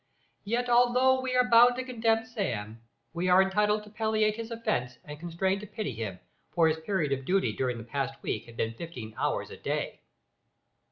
Yet although we are bound to condemn Sam, we are entitled to palliate his offence and constrained to pity him, for his period of duty during the past week had been fifteen hours a day.